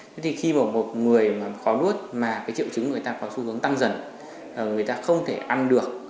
thế thì khi một người khó nuốt mà triệu chứng người ta có xu hướng tăng dần người ta không thể ăn được